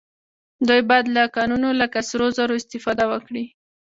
دوی باید له کانونو لکه سرو زرو استفاده وکړي